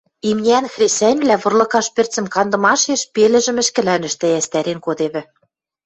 Имниӓн хресӓньвлӓ вырлыкаш пӹрцӹм кандымашеш пелӹжӹм ӹшкӹлӓнӹштӹ йӓстӓрен кодевӹ.